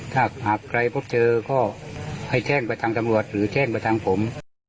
ถ้าหากใครพบเจอก็ให้แจ้งไปทางตำรวจหรือแจ้งไปทางผม